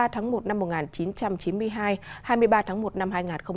hai mươi tháng một năm một nghìn chín trăm chín mươi hai hai mươi ba tháng một năm hai nghìn hai mươi